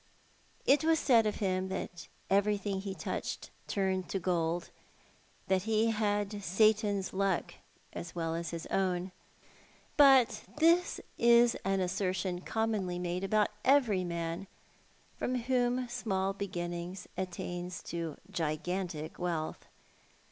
It was said of him that everything he touched turned to gold ; th.at he had Satan's luck as well as his own ; but this is an assertion commonly made about every man who from small beginnings attains to gigantic wealth.